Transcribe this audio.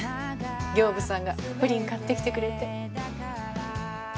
刑部さんがプリン買ってきてくれて。